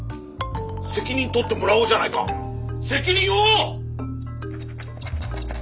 責任取ってもらおうじゃないか責任を！